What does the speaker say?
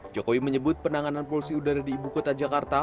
jokowi menyebut penanganan polusi udara di ibu kota jakarta